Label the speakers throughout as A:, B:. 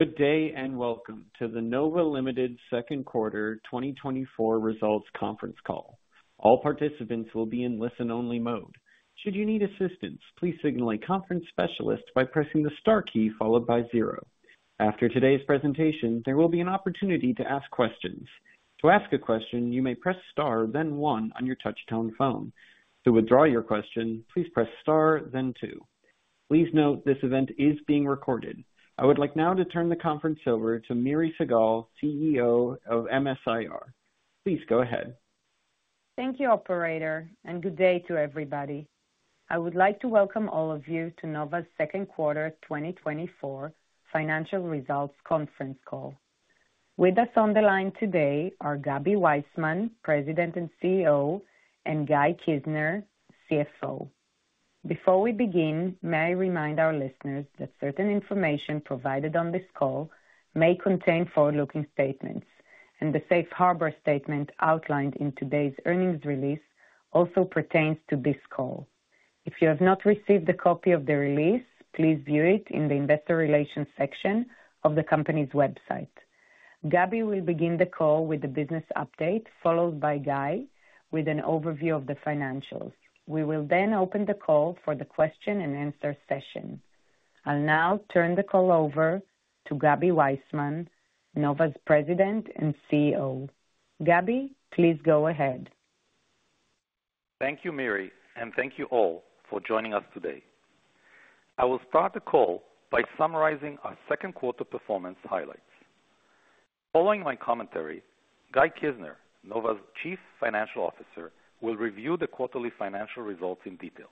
A: Good day, and welcome to the Nova Ltd Second Quarter 2024 Results Conference Call. All participants will be in listen-only mode. Should you need assistance, please signal a conference specialist by pressing the star key followed by zero. After today's presentation, there will be an opportunity to ask questions. To ask a question, you may press star, then one on your touchtone phone. To withdraw your question, please press star, then two. Please note, this event is being recorded. I would like now to turn the conference over to Miri Segal, CEO of MS-IR. Please go ahead.
B: Thank you, operator, and good day to everybody. I would like to welcome all of you to Nova's Second Quarter 2024 Financial Results Conference Call. With us on the line today are Gaby Waisman, President and CEO, and Guy Kizner, CFO. Before we begin, may I remind our listeners that certain information provided on this call may contain forward-looking statements, and the safe harbor statement outlined in today's earnings release also pertains to this call. If you have not received a copy of the release, please view it in the investor relations section of the company's website. Gaby will begin the call with the business update, followed by Guy with an overview of the financials. We will then open the call for the question-and-answer session. I'll now turn the call over to Gaby Waisman, Nova's President and CEO. Gaby, please go ahead.
C: Thank you, Miri, and thank you all for joining us today. I will start the call by summarizing our second quarter performance highlights. Following my commentary, Guy Kizner, Nova's Chief Financial Officer, will review the quarterly financial results in detail.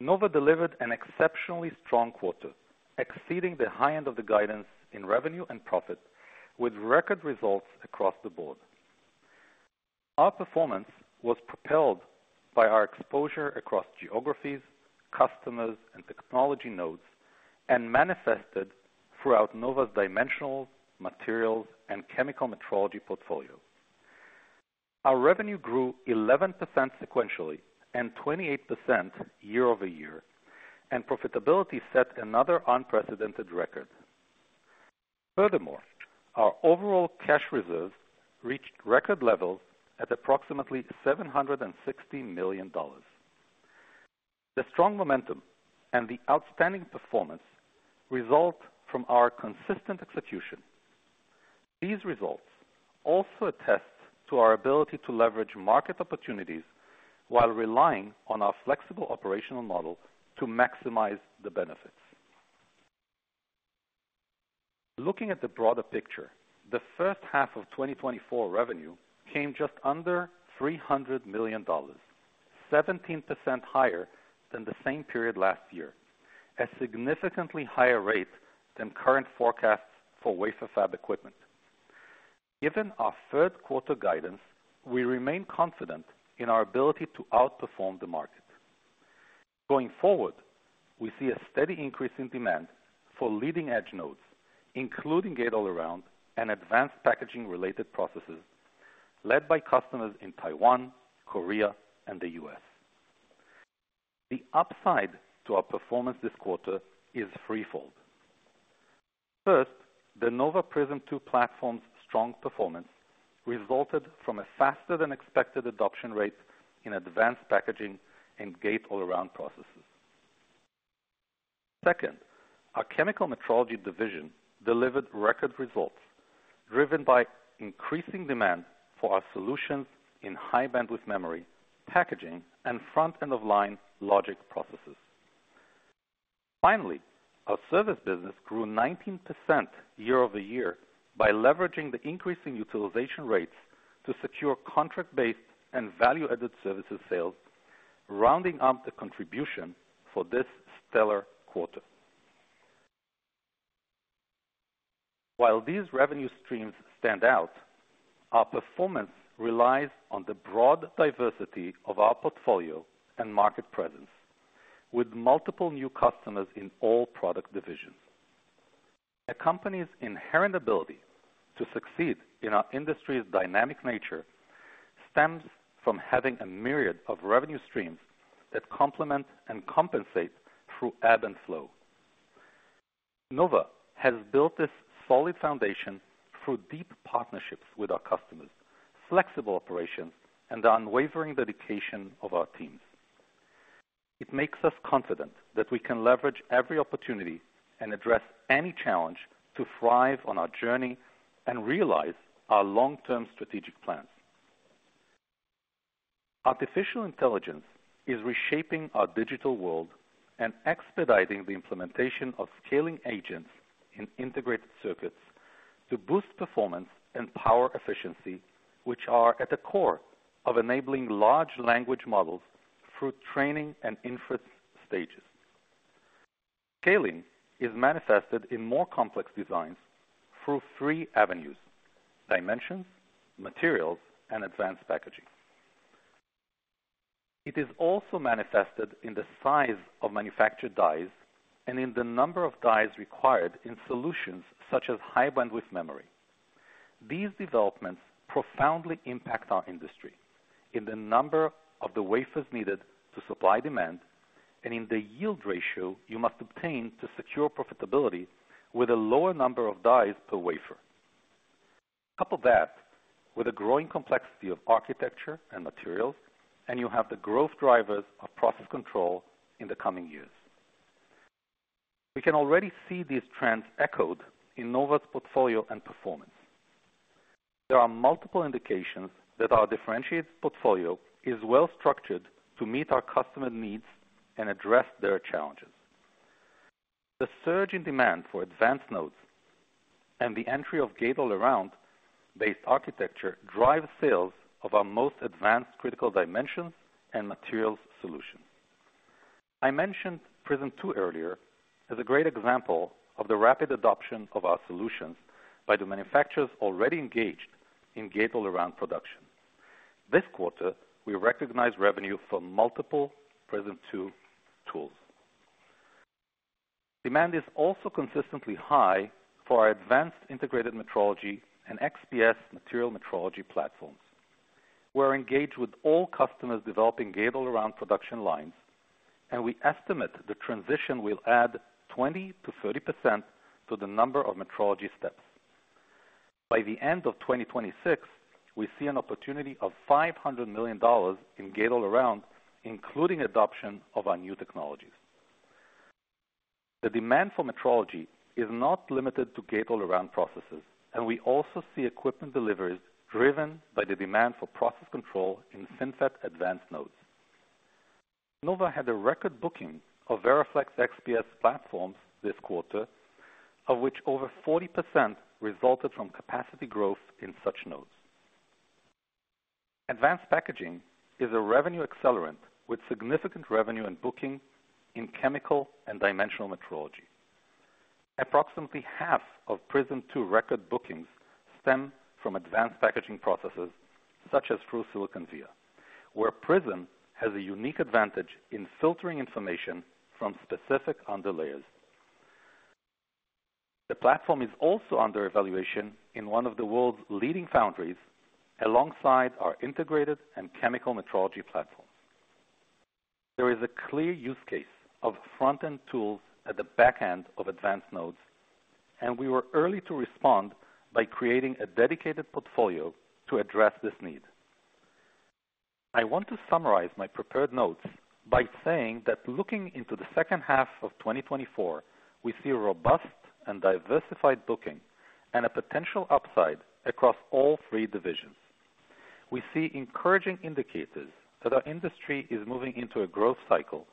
C: Nova delivered an exceptionally strong quarter, exceeding the high end of the guidance in revenue and profit, with record results across the board. Our performance was propelled by our exposure across geographies, customers, and technology nodes, and manifested throughout Nova's dimensional, materials, and chemical metrology portfolio. Our revenue grew 11% sequentially and 28% year-over-year, and profitability set another unprecedented record. Furthermore, our overall cash reserves reached record levels at approximately $760 million. The strong momentum and the outstanding performance result from our consistent execution. These results also attest to our ability to leverage market opportunities while relying on our flexible operational model to maximize the benefits. Looking at the broader picture, the first half of 2024 revenue came just under $300 million, 17% higher than the same period last year, a significantly higher rate than current forecasts for wafer fab equipment. Given our third quarter guidance, we remain confident in our ability to outperform the market. Going forward, we see a steady increase in demand for leading-edge nodes, including gate-all-around and advanced packaging-related processes, led by customers in Taiwan, Korea, and the U.S. The upside to our performance this quarter is threefold. First, the Nova Prism 2 platform's strong performance resulted from a faster-than-expected adoption rate in advanced packaging and gate-all-around processes. Second, our chemical metrology division delivered record results, driven by increasing demand for our solutions in high-bandwidth memory, packaging, and front-end of line logic processes. Finally, our service business grew 19% year-over-year by leveraging the increasing utilization rates to secure contract-based and value-added services sales, rounding up the contribution for this stellar quarter. While these revenue streams stand out, our performance relies on the broad diversity of our portfolio and market presence, with multiple new customers in all product divisions. A company's inherent ability to succeed in our industry's dynamic nature stems from having a myriad of revenue streams that complement and compensate through ebb and flow. Nova has built this solid foundation through deep partnerships with our customers, flexible operations, and the unwavering dedication of our teams. It makes us confident that we can leverage every opportunity and address any challenge to thrive on our journey and realize our long-term strategic plans. Artificial Intelligence is reshaping our digital world and expediting the implementation of scaling agents in integrated circuits to boost performance and power efficiency, which are at the core of enabling Large Language Models through training and inference stages. Scaling is manifested in more complex designs through three avenues: dimensions, materials, and Advanced Packaging. It is also manifested in the size of manufactured dies and in the number of dies required in solutions such as High-Bandwidth Memory.... These developments profoundly impact our industry in the number of the wafers needed to supply demand, and in the yield ratio you must obtain to secure profitability with a lower number of dies per wafer. Couple that with a growing complexity of architecture and materials, and you have the growth drivers of process control in the coming years. We can already see these trends echoed in Nova's portfolio and performance. There are multiple indications that our differentiated portfolio is well structured to meet our customer needs and address their challenges. The surge in demand for advanced nodes and the entry of Gate-All-Around-based architecture drive sales of our most advanced critical dimensions and materials solutions. I mentioned Prism 2 earlier as a great example of the rapid adoption of our solutions by the manufacturers already engaged in Gate-All-Around production. This quarter, we recognized revenue from multiple Prism 2 tools. Demand is also consistently high for our advanced integrated metrology and XPS material metrology platforms. We're engaged with all customers developing gate-all-around production lines, and we estimate the transition will add 20%-30% to the number of metrology steps. By the end of 2026, we see an opportunity of $500 million in gate-all-around, including adoption of our new technologies. The demand for metrology is not limited to gate-all-around processes, and we also see equipment deliveries driven by the demand for process control in FinFET advanced nodes. Nova had a record booking of VeraFlex XPS platforms this quarter, of which over 40% resulted from capacity growth in such nodes. Advanced packaging is a revenue accelerant, with significant revenue and booking in chemical and dimensional metrology. Approximately half of Prism 2 record bookings stem from advanced packaging processes, such as through-silicon via, where Prism has a unique advantage in filtering information from specific underlayers. The platform is also under evaluation in one of the world's leading foundries, alongside our integrated and Chemical Metrology platforms. There is a clear use case of front-end tools at the back end of advanced nodes, and we were early to respond by creating a dedicated portfolio to address this need. I want to summarize my prepared notes by saying that looking into the second half of 2024, we see a robust and diversified booking and a potential upside across all three divisions. We see encouraging indicators that our industry is moving into a growth cycle,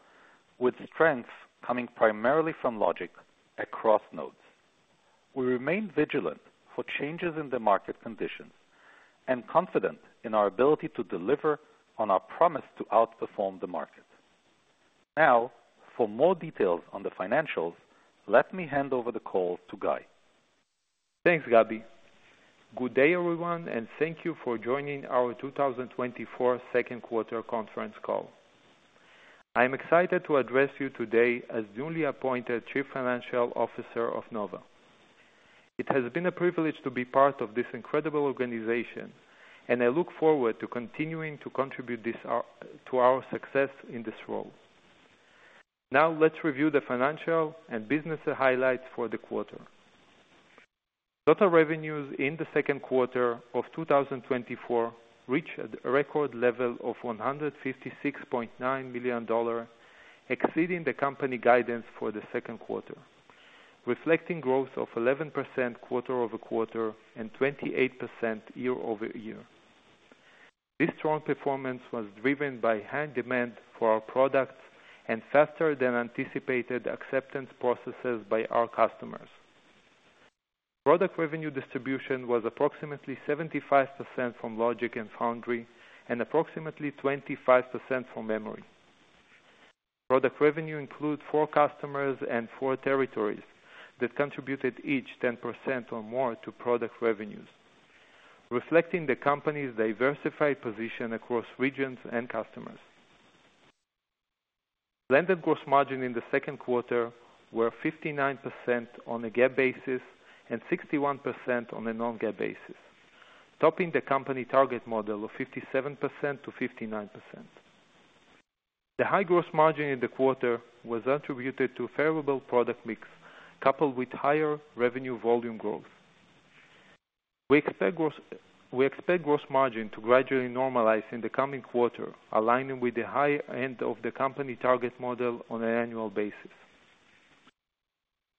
C: with strength coming primarily from Logic across nodes. We remain vigilant for changes in the market conditions and confident in our ability to deliver on our promise to outperform the market. Now, for more details on the financials, let me hand over the call to Guy.
D: Thanks, Gaby. Good day, everyone, and thank you for joining our 2024 second quarter conference call. I'm excited to address you today as newly appointed Chief Financial Officer of Nova. It has been a privilege to be part of this incredible organization, and I look forward to continuing to contribute to our success in this role. Now, let's review the financial and business highlights for the quarter. Total revenues in the second quarter of 2024 reached a record level of $156.9 million, exceeding the company guidance for the second quarter, reflecting growth of 11% quarter-over-quarter and 28% year-over-year. This strong performance was driven by high demand for our products and faster than anticipated acceptance processes by our customers. Product revenue distribution was approximately 75% from Logic and Foundry and approximately 25% from Memory. Product revenue includes four customers and four territories that contributed each 10% or more to product revenues, reflecting the company's diversified position across regions and customers. Landed gross margin in the second quarter were 59% on a GAAP basis and 61% on a non-GAAP basis, topping the company target model of 57%-59%. The high gross margin in the quarter was attributed to a favorable product mix, coupled with higher revenue volume growth. We expect gross margin to gradually normalize in the coming quarter, aligning with the high end of the company target model on an annual basis.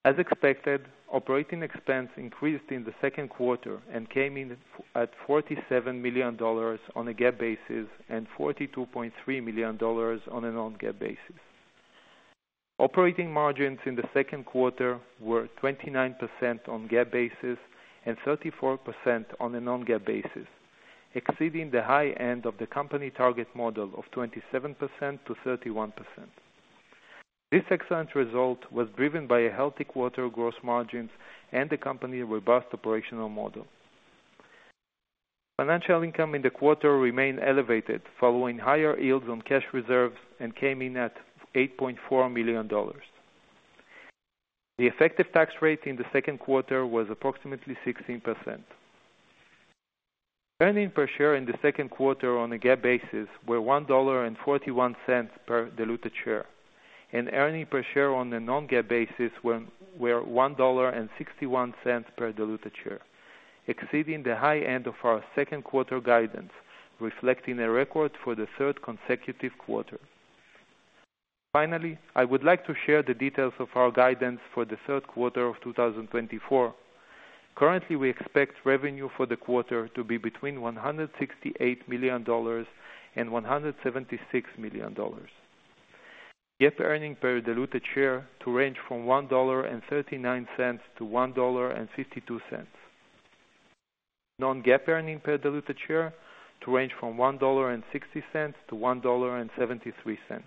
D: As expected, operating expense increased in the second quarter and came in at $47 million on a GAAP basis and $42.3 million on a non-GAAP basis. Operating margins in the second quarter were 29% on GAAP basis and 34% on a non-GAAP basis, exceeding the high end of the company target model of 27%-31%. This excellent result was driven by a healthy quarter gross margins and the company's robust operational model. Financial income in the quarter remained elevated, following higher yields on cash reserves and came in at $8.4 million. The effective tax rate in the second quarter was approximately 16%. Earnings per share in the second quarter on a GAAP basis were $1.41 per diluted share, and earnings per share on a non-GAAP basis were $1.61 per diluted share, exceeding the high end of our second quarter guidance, reflecting a record for the third consecutive quarter. Finally, I would like to share the details of our guidance for the third quarter of 2024. Currently, we expect revenue for the quarter to be between $168 million and $176 million. GAAP earnings per diluted share to range from $1.39 to $1.52. Non-GAAP earnings per diluted share to range from $1.60 to $1.73.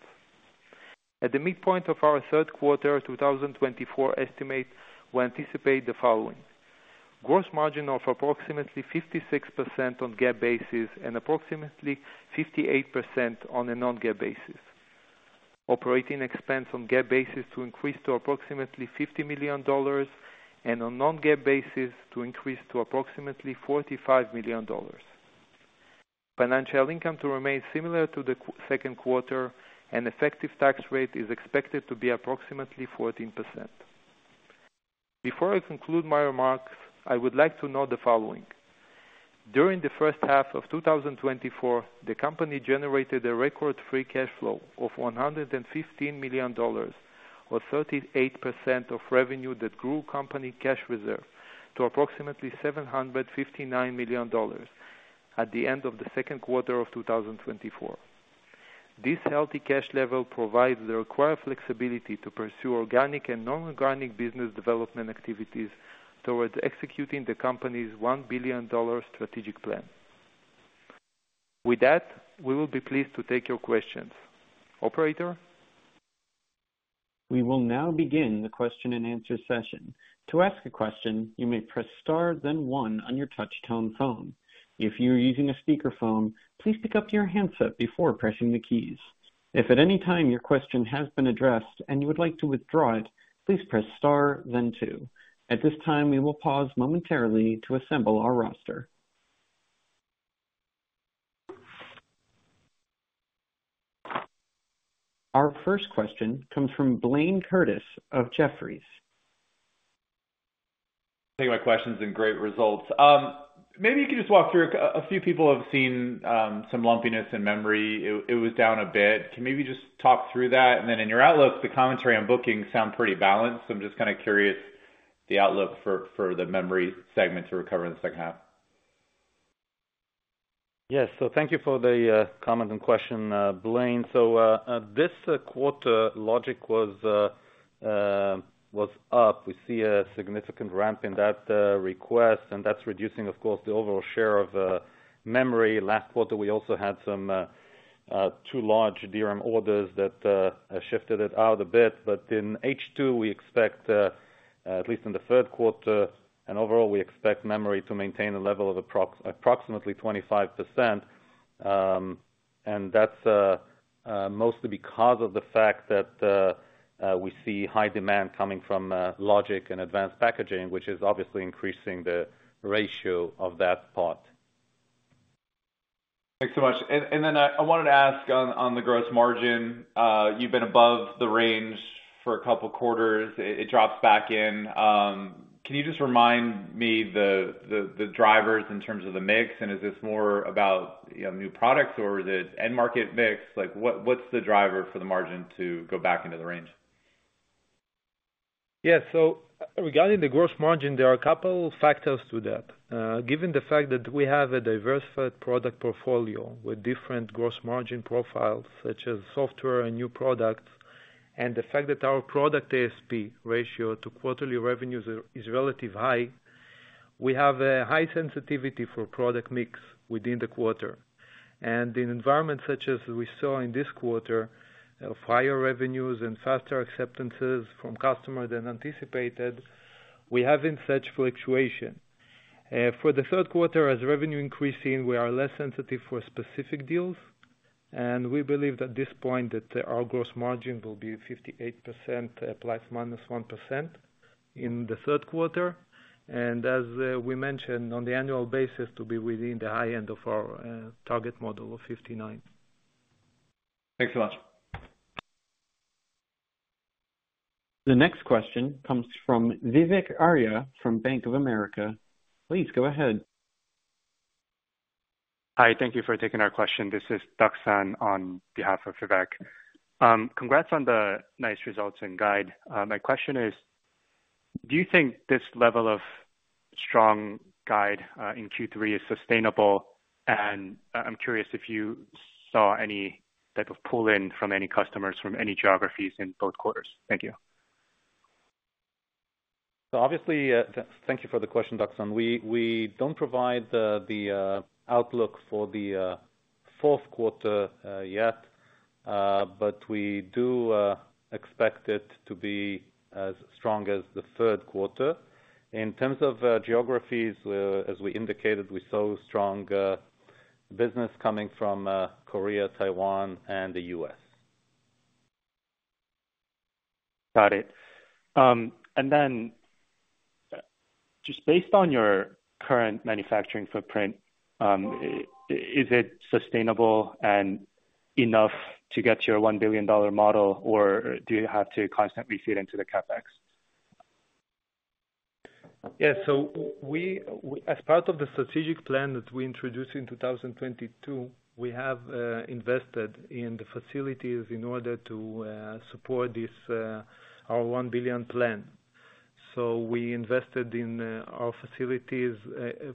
D: At the midpoint of our third quarter 2024 estimates, we anticipate the following: Gross margin of approximately 56% on GAAP basis and approximately 58% on a non-GAAP basis. Operating expense on GAAP basis to increase to approximately $50 million and on non-GAAP basis to increase to approximately $45 million. Financial income to remain similar to the second quarter, and effective tax rate is expected to be approximately 14%. Before I conclude my remarks, I would like to note the following: During the first half of 2024, the company generated a record free cash flow of $115 million, or 38% of revenue, that grew company cash reserve to approximately $759 million at the end of the second quarter of 2024. This healthy cash level provides the required flexibility to pursue organic and non-organic business development activities towards executing the company's $1 billion strategic plan. With that, we will be pleased to take your questions. Operator?
A: We will now begin the question-and-answer session. To ask a question, you may press star, then one on your touchtone phone. If you're using a speakerphone, please pick up your handset before pressing the keys. If at any time your question has been addressed and you would like to withdraw it, please press star, then two. At this time, we will pause momentarily to assemble our roster. Our first question comes from Blayne Curtis of Jefferies.
E: Thank you my questions and great results. Maybe you could just walk through. A few people have seen some lumpiness in memory. It was down a bit. Can you maybe just talk through that? And then in your outlook, the commentary on booking sound pretty balanced, so I'm just kind of curious, the outlook for the memory segment to recover in the second half.
D: Yes. So thank you for the comment and question, Blayne. So this quarter logic was up. We see a significant ramp in that request, and that's reducing, of course, the overall share of memory. Last quarter, we also had some two large DRAM orders that shifted it out a bit. But in H2, we expect at least in the third quarter, and overall, we expect memory to maintain a level of approximately 25%. And that's mostly because of the fact that we see high demand coming from logic and advanced packaging, which is obviously increasing the ratio of that part.
E: Thanks so much. And then I wanted to ask on the gross margin. You've been above the range for a couple quarters. It drops back in. Can you just remind me the drivers in terms of the mix, and is this more about, you know, new products, or is it end market mix? Like, what's the driver for the margin to go back into the range?
D: Yeah. So regarding the gross margin, there are a couple factors to that. Given the fact that we have a diversified product portfolio with different gross margin profiles, such as software and new products, and the fact that our product ASP ratio to quarterly revenues is relatively high, we have a high sensitivity for product mix within the quarter. And in environments such as we saw in this quarter, of higher revenues and faster acceptances from customers than anticipated, we have in such fluctuation. For the third quarter, as revenue increasing, we are less sensitive for specific deals, and we believe at this point that our gross margin will be 58% ±1% in the third quarter, and as we mentioned on the annual basis, to be within the high end of our target model of 59%.
E: Thanks so much.
A: The next question comes from Vivek Arya from Bank of America. Please go ahead.
F: Hi, thank you for taking our question. This is Duksan on behalf of Vivek. Congrats on the nice results and guide. My question is: Do you think this level of strong guide, in Q3 is sustainable? I'm curious if you saw any type of pull-in from any customers, from any geographies in both quarters. Thank you.
D: So obviously, thank you for the question, Duksan. We don't provide the outlook for the fourth quarter yet, but we do expect it to be as strong as the third quarter. In terms of geographies, as we indicated, we saw strong
C: Business coming from Korea, Taiwan, and the U.S.
F: Got it. And then, just based on your current manufacturing footprint, is it sustainable and enough to get your $1 billion model, or do you have to constantly feed into the CapEx?
C: Yeah. So we, as part of the strategic plan that we introduced in 2022, we have invested in the facilities in order to support this our $1 billion plan. So we invested in our facilities,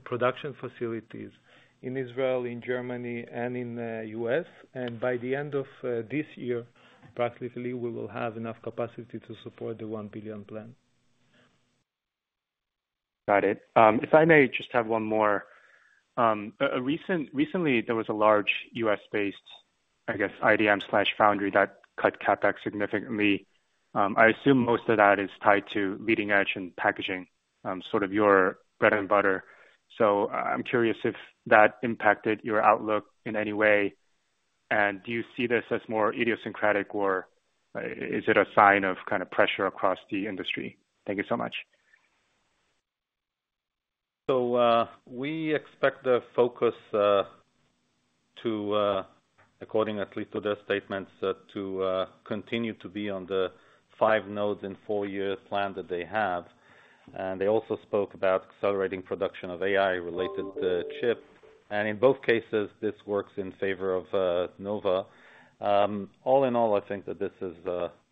C: production facilities in Israel, in Germany, and in U.S. By the end of this year, practically, we will have enough capacity to support the $1 billion plan.
F: Got it. If I may just have one more. Recently, there was a large U.S.-based, I guess, IDM/foundry that cut CapEx significantly. I assume most of that is tied to leading-edge and packaging, sort of your bread and butter. So I'm curious if that impacted your outlook in any way, and do you see this as more idiosyncratic, or is it a sign of kind of pressure across the industry? Thank you so much.
C: So, we expect the focus to, according at least to their statements, to continue to be on the five nodes and four-year plan that they have. And they also spoke about accelerating production of AI-related chip. And in both cases, this works in favor of Nova. All in all, I think that this is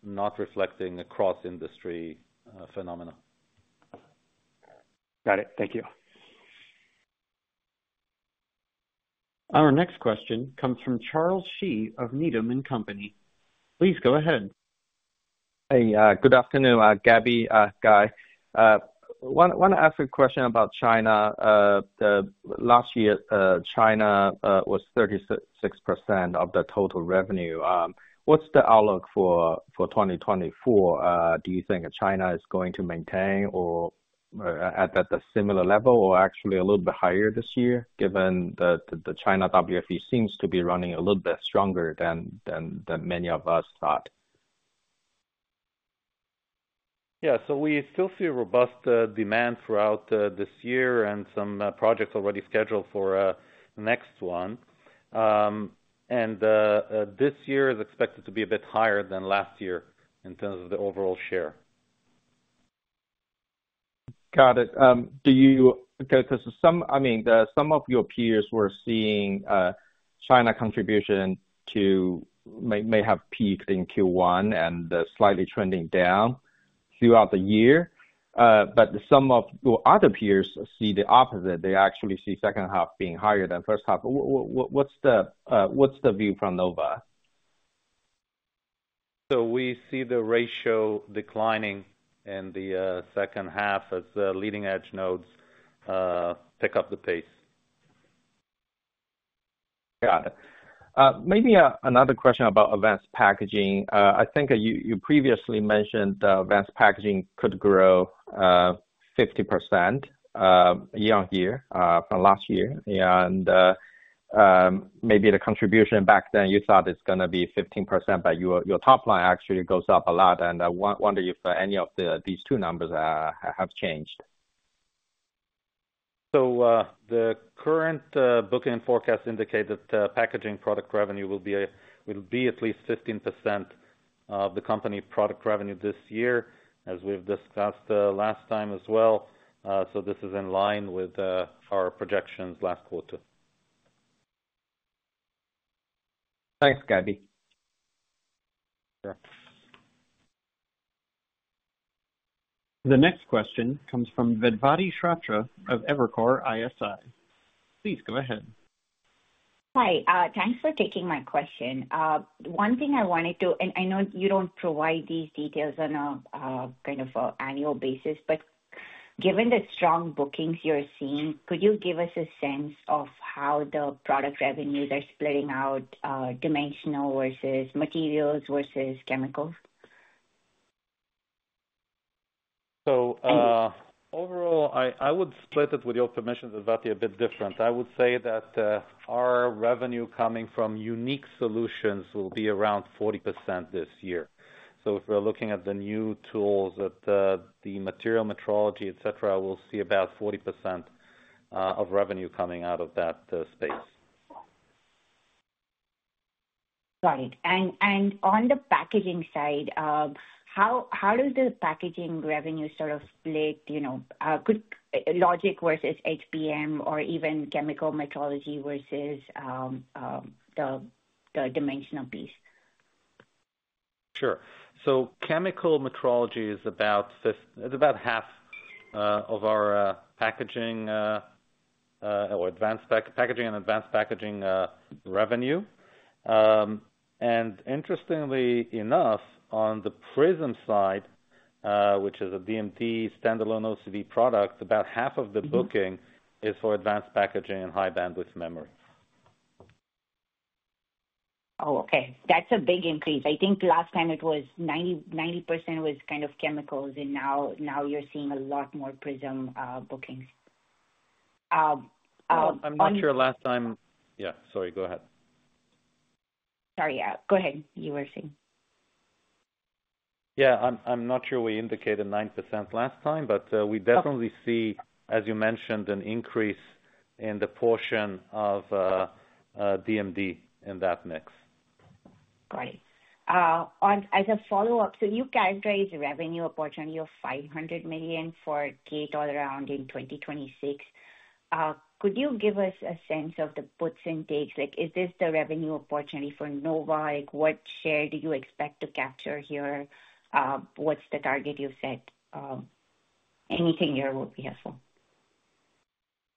C: not reflecting across industry phenomena.
F: Got it. Thank you.
A: Our next question comes from Charles Shi of Needham & Company. Please go ahead.
G: Hey, good afternoon, Gaby, Guy. I wanna ask a question about China. The last year, China was 36% of the total revenue. What's the outlook for 2024? Do you think China is going to maintain or at the similar level or actually a little bit higher this year, given that the China WFE seems to be running a little bit stronger than many of us thought?
C: Yeah. So we still see a robust demand throughout this year and some projects already scheduled for the next one. This year is expected to be a bit higher than last year in terms of the overall share.
G: Got it. Do you... Okay, so some, I mean, some of your peers were seeing China contribution to revenue may have peaked in Q1 and slightly trending down throughout the year. But some of your other peers see the opposite. They actually see second half being higher than first half. What's the view from Nova?
C: We see the ratio declining in the second half as the leading-edge nodes pick up the pace.
G: Got it. Maybe another question about Advanced Packaging. I think you previously mentioned Advanced Packaging could grow 50% year-on-year from last year. And maybe the contribution back then, you thought it's gonna be 15%, but your top line actually goes up a lot, and I wonder if any of these two numbers have changed.
C: The current booking forecast indicate that packaging product revenue will be, will be at least 15% of the company product revenue this year, as we've discussed, last time as well. So this is in line with our projections last quarter.
G: Thanks, Gaby.
C: Sure.
A: The next question comes from Vedvati Shrotre of Evercore ISI. Please go ahead.
H: Hi, thanks for taking my question. One thing I wanted to... And I know you don't provide these details on a kind of a annual basis, but given the strong bookings you're seeing, could you give us a sense of how the product revenues are splitting out, dimensional versus materials versus chemical?
C: So, uh-
H: Thanks.
C: Overall, I, I would split it with your permission, Vedvati, a bit different. I would say that our revenue coming from unique solutions will be around 40% this year. So if we're looking at the new tools, at the material metrology, et cetera, we'll see about 40% of revenue coming out of that space.
H: Got it. And on the packaging side, how does the packaging revenue sort of split, you know, could logic versus HBM or even chemical metrology versus the dimensional piece?
C: Sure. So Chemical Metrology is about half of our packaging or Advanced Packaging and advanced packaging revenue. And interestingly enough, on the Prism side, which is a DMD standalone OCD product, about half of the booking is for Advanced Packaging and High-Bandwidth Memory....
H: Oh, okay. That's a big increase. I think last time it was 90%, 90% was kind of chemicals, and now, now you're seeing a lot more Prism bookings. on-
C: I'm not sure last time. Yeah, sorry, go ahead.
H: Sorry, yeah, go ahead. You were saying.
C: Yeah, I'm not sure we indicated 9% last time, but we definitely see, as you mentioned, an increase in the portion of DMD in that mix.
H: Got it. On as a follow-up, so you characterized revenue opportunity of $500 million for Gate-All-Around in 2026. Could you give us a sense of the puts and takes? Like, is this the revenue opportunity for Nova? Like, what share do you expect to capture here? What's the target you set? Anything here will be helpful.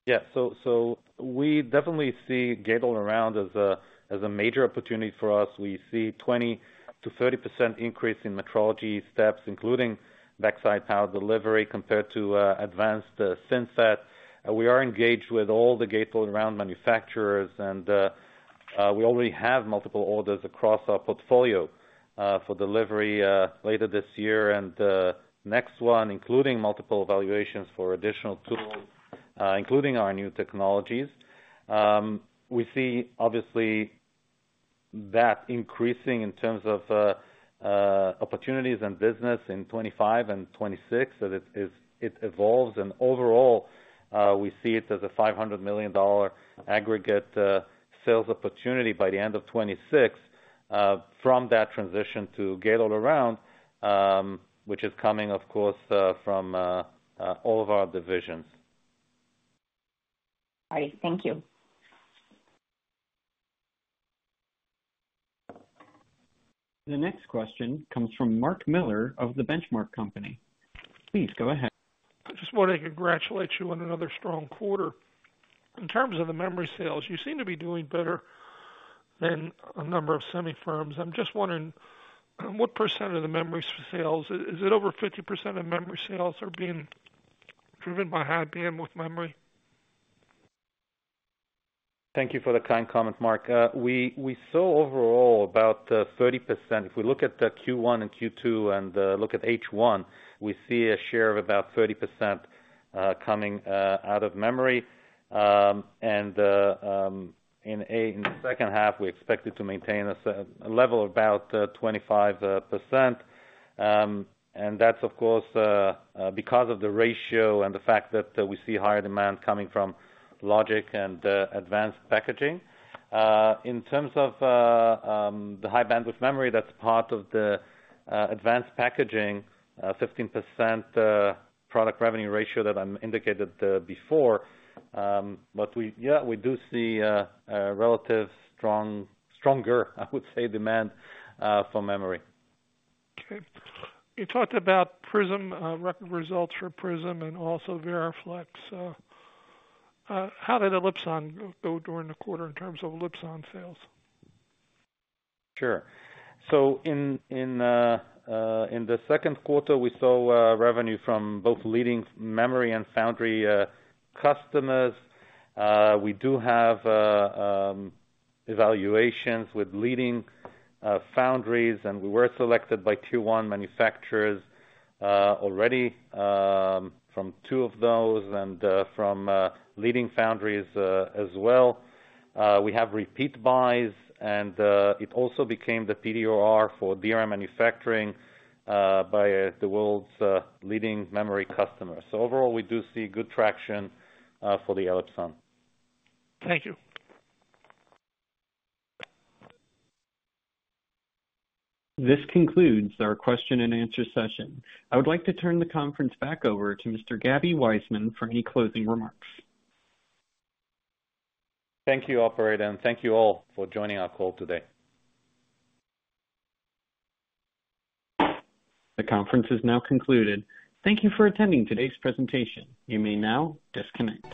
C: Yeah. So, so we definitely see Gate-All-Around as a, as a major opportunity for us. We see 20%-30% increase in metrology steps, including backside power delivery, compared to advanced nodes that we are engaged with all the Gate-All-Around manufacturers and we already have multiple orders across our portfolio for delivery later this year. And next year, including multiple evaluations for additional tools, including our new technologies. We see obviously that increasing in terms of opportunities and business in 2025 and 2026, that it evolves. And overall, we see it as a $500 million aggregate sales opportunity by the end of 2026 from that transition to Gate-All-Around, which is coming, of course, from all of our divisions.
H: All right. Thank you.
A: The next question comes from Mark Miller of The Benchmark Company. Please go ahead.
I: I just want to congratulate you on another strong quarter. In terms of the memory sales, you seem to be doing better than a number of semi firms. I'm just wondering, what percent of the memory sales, is it over 50% of memory sales are being driven by HBM with memory?
C: Thank you for the kind comment, Mark. We saw overall about 30%. If we look at the Q1 and Q2 and look at H1, we see a share of about 30% coming out of memory. And in the second half, we expect it to maintain a certain level of about 25%. And that's of course because of the ratio and the fact that we see higher demand coming from logic and advanced packaging. In terms of the High Bandwidth Memory, that's part of the advanced packaging 15% product revenue ratio that I indicated before. But we... Yeah, we do see a relative stronger, I would say, demand for memory.
I: Okay. You talked about Prism, record results for Prism and also VeraFlex. How did Elipson go during the quarter in terms of Elipson sales?
C: Sure. So in the second quarter, we saw revenue from both leading memory and foundry customers. We do have evaluations with leading foundries, and we were selected by tier one manufacturers already from two of those and from leading foundries as well. We have repeat buys, and it also became the POR for DRAM manufacturing by the world's leading memory customers. So overall, we do see good traction for the Elipson.
I: Thank you.
A: This concludes our question-and-answer session. I would like to turn the conference back over to Mr. Gaby Waisman for any closing remarks.
C: Thank you, operator, and thank you all for joining our call today.
A: The conference is now concluded. Thank you for attending today's presentation. You may now disconnect.